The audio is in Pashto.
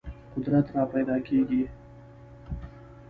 قدرت راپیدا کېږي.